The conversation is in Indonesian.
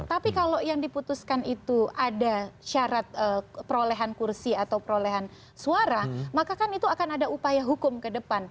tapi kalau yang diputuskan itu ada syarat perolehan kursi atau perolehan suara maka kan itu akan ada upaya hukum ke depan